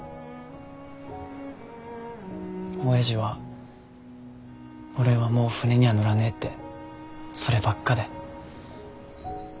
おやじは俺はもう船には乗らねえってそればっかで。